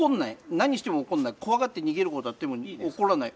何しても怒んない、怖がって逃げることはあっても怒らない。